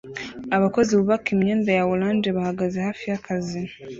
Abakozi bubaka imyenda ya orange bahagaze hafi yakazi